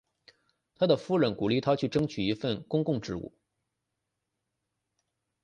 他的夫人鼓励他去争取一份公共职务。